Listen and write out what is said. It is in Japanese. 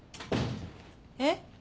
えっ？